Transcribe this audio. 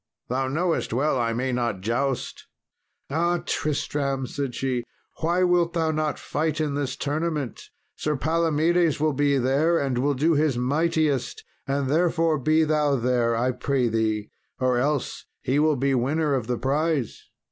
Thou knowest well I may not joust." "Ah, Tristram," said she, "why wilt thou not fight in this tournament? Sir Palomedes will be there, and will do his mightiest; and therefore be thou there, I pray thee, or else he will be winner of the prize."